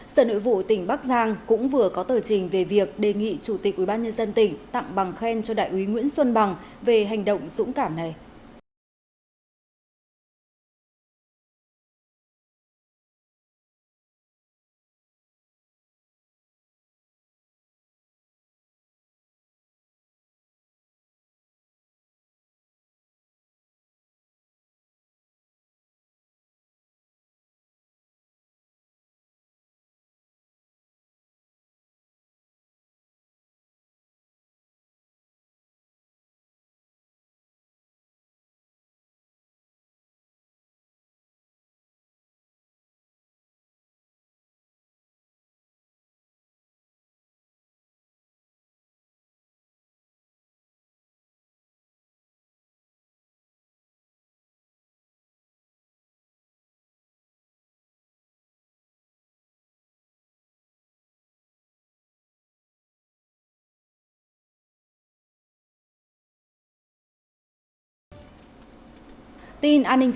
sở nội vụ tỉnh bắc giang cũng vừa có tờ trình về việc đề nghị chủ tịch ubnd tặng bằng khen cho đại úy nguyễn xuân bằng về hành động dũng cảm này